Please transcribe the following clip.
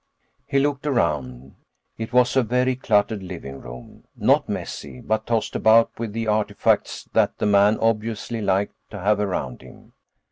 He looked around. It was a very cluttered living room, not messy but tossed about with the artifacts that the man obviously liked to have around him.